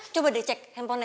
coba deh cek hp nya